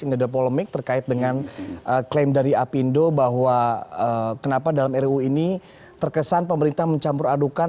ini adalah polemik terkait dengan klaim dari apindo bahwa kenapa dalam ruu ini terkesan pemerintah mencampur adukan